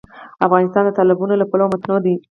افغانستان د تالابونه له پلوه متنوع دی.